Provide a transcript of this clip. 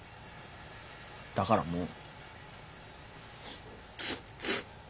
だからもう。